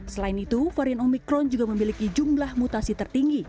selain itu varian omikron juga memiliki jumlah mutasi tertinggi